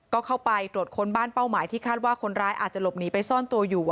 ก็เข้าไปตรวจค้นบ้านเป้าหมายที่คาดว่าคนร้ายอาจจะหลบหนีไปซ่อนตัวอยู่